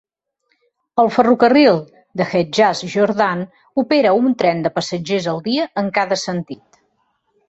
El ferrocarril de Hedjaz Jordan opera un tren de passatgers al dia en cada sentit.